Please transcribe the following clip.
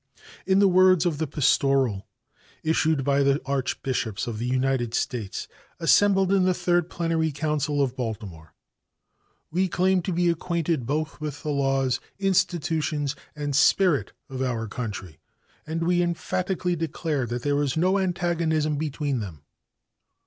In the words of the pastoral issued by the Archbishops of the United States, assembled in the third Plenary Council of Baltimore, 'we claim to be acquainted both with the laws, institutions and spirit of our country, and we emphatically declare that there is no antagonism between them.